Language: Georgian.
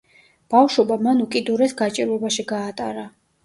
ბავშვობა მან უკიდურეს გაჭირვებაში გაატარა.